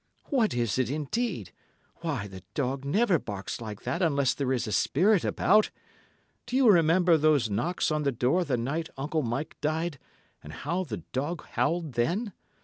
"What is it, indeed! Why the dog never barks like that unless there is a spirit about. Do you remember those knocks on the door the night Uncle Mike died, and how the dog howled then?